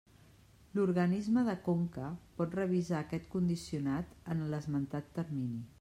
L'organisme de conca pot revisar aquest condicionat en l'esmentat termini.